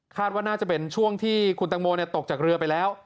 ว่าน่าจะเป็นช่วงที่คุณตังโมตกจากเรือไปแล้ว